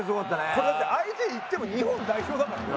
これだって相手いっても日本代表だからね。